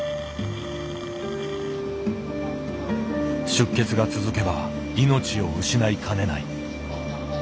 出血が続けば命を失いかねない。